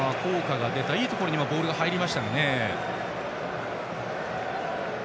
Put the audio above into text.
いいところにボールが入りましたね。